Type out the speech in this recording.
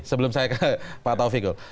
sebelum saya ke pak taufik oke